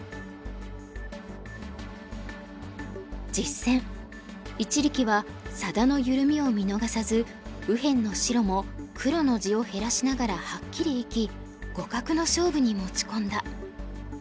実戦一力は佐田の緩みを見逃さず右辺の白も黒の地を減らしながらはっきり生き互角の勝負に持ち込んだ。